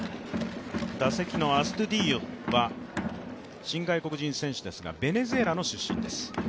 打席のアストゥディーヨは新外国人選手ですがベネズエラの出身です。